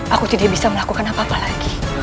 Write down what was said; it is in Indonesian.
aku tidak bisa melakukan apa apa lagi